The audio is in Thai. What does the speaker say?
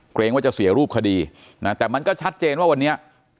เกรงว่าจะเสียรูปคดีนะแต่มันก็ชัดเจนว่าวันนี้